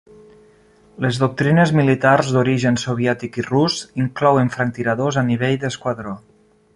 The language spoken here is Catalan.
Les doctrines militars d'origen soviètic i rus inclouen franctiradors a nivell d'esquadró.